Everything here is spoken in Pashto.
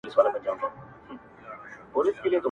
په لس ګونو چي مي خپل خپلوان وژلي-